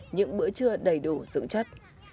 những bữa trưa đầy đủ dưỡng chất